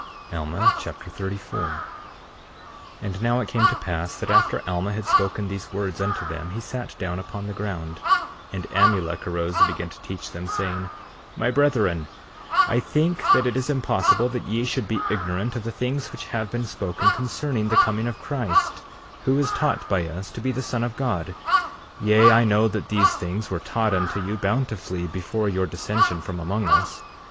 Alma Chapter 34 34:1 And now it came to pass that after Alma had spoken these words unto them he sat down upon the ground, and Amulek arose and began to teach them, saying: 34:2 My brethren, I think that it is impossible that ye should be ignorant of the things which have been spoken concerning the coming of Christ, who is taught by us to be the Son of God; yea, I know that these things were taught unto you bountifully before your dissension from among us.